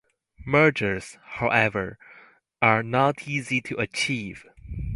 Mergers, however, are not easy to achieve.